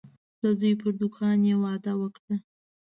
د زوی پر دوکان یې وعده وکړه.